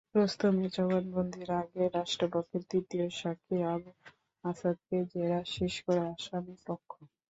রুস্তমের জবানবন্দির আগে রাষ্ট্রপক্ষের তৃতীয় সাক্ষী আবু আসাদকে জেরা শেষ করে আসামিপক্ষ।